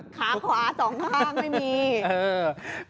ขาสองข้างไม่มี